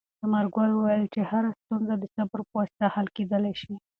ثمرګل وویل چې هره ستونزه د صبر په واسطه حل کېدلای شي.